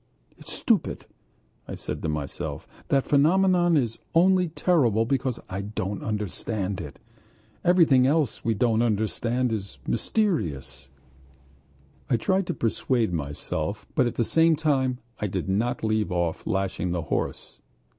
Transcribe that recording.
"It's stupid!" I said to myself. "That phenomenon is only terrible because I don't understand it; everything we don't understand is mysterious." I tried to persuade myself, but at the same time I did not leave off lashing the horse.